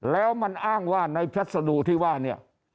แล้วมันอ้างว่าในพัสดุที่ว่าเนี่ย